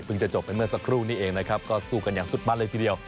จะจบไปเมื่อสักครู่นี้เองนะครับก็สู้กันอย่างสุดมันเลยทีเดียว